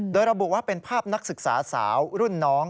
โดยระบุว่าเป็นภาพนักศึกษาสาวรุ่นน้อง